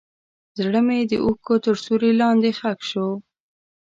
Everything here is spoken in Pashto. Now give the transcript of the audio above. زړه مې د اوښکو تر سیوري لاندې ښخ شو.